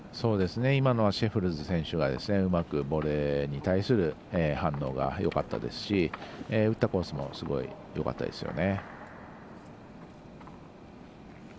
今のはシェフェルス選手がうまくボレーに対する反応がよかったですし打ったコースもすごいよかったですよね。